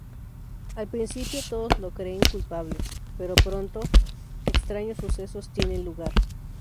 Al principio todos lo creen culpable; pero, pronto, extraños sucesos tienen lugar.